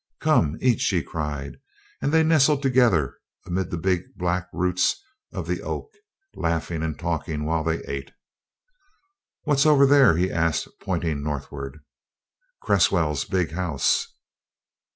"Come eat!" she cried. And they nestled together amid the big black roots of the oak, laughing and talking while they ate. "What's over there?" he asked pointing northward. "Cresswell's big house."